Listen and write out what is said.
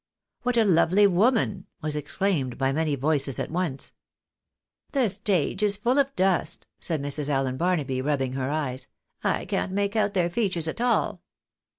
" What a lovely woman !" was exclaimed by many voices at once. " The stage is full of dust," said Mrs. Allen Barnaby, rubbing her eyes ;" I can't make out their features at all."